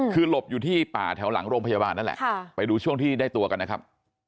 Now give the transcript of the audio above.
คือหลบอยู่ที่ป่าแถวหลังโรงพยาบาลนั่นแหละไปดูช่วงที่ได้ตัวกันนะครับ